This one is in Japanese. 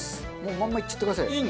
まんまいっちゃってください。